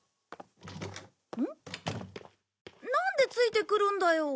なんでついてくるんだよ。